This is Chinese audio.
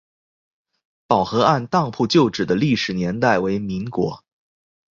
宝和按当铺旧址的历史年代为民国。